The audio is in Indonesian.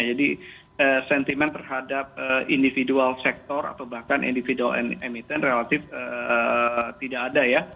jadi sentimen terhadap individual sektor atau bahkan individual emiten relatif tidak ada